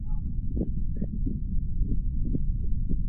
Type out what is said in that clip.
单序波缘大参是五加科大参属波缘大参的变种。